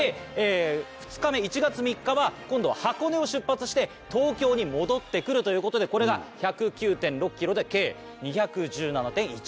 ２日目１月３日は今度は箱根を出発して東京に戻って来るということでこれが１０９．６ｋｍで計２１７．１ｋｍ。